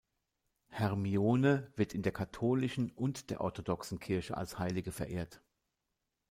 Hermione wird in der katholischen und der orthodoxen Kirche als Heilige verehrt.